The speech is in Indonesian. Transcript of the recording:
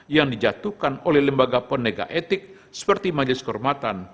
yang dijatuhkan oleh lembaga penegak etik seperti majelis kehormatan